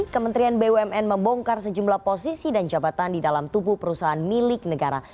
kementerian bumn membongkar sejumlah posisi dan jabatan di dalam tubuh perusahaan milik negara